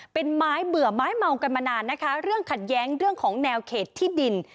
เป็นไม้เบื่อไม้เมากันมานานนะคะเรื่องขัดแย้งเรื่องของแนวเขตที่ดิน